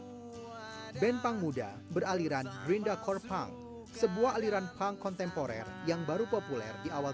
hai bentang muda beraliran brinda korpang sebuah aliran punk kontemporer yang baru populer di awal